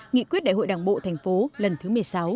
nghị quyết đại hội đảng bộ thành phố lần thứ một mươi sáu